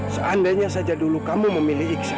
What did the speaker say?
seandainya saja dulu kamu memilih iksan